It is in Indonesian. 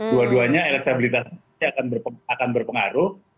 dua duanya elektabilitas akan berpengaruh